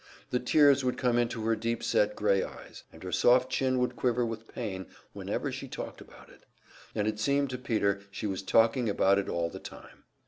The tears would come into her deep set grey eyes, and her soft chin would quiver with pain whenever she talked about it; and it seemed to Peter she was talking about it all the time.